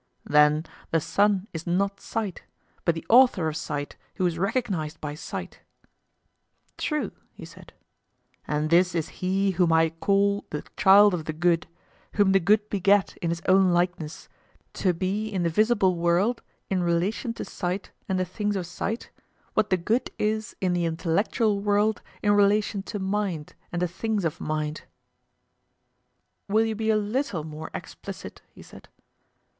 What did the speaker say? Then the sun is not sight, but the author of sight who is recognised by sight? True, he said. And this is he whom I call the child of the good, whom the good begat in his own likeness, to be in the visible world, in relation to sight and the things of sight, what the good is in the intellectual world in relation to mind and the things of mind: Will you be a little more explicit? he said.